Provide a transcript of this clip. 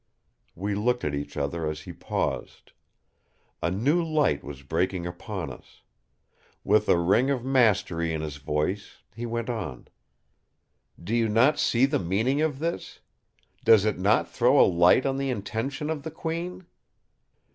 We looked at each other as he paused: a new light was breaking upon us. With a ring of mastery in his voice he went on: "Do you not see the meaning of this? Does it not throw a light on the intention of the Queen?